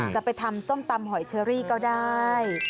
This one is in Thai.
จะไปทำส้มตำหอยเชอรี่ก็ได้